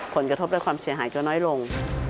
ผลกระทบและความเสียหายก็น้อยลง